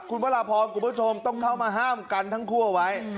คุณพระราพรคุณผู้ชมต้องเข้ามาห้ามกันทั้งคู่เอาไว้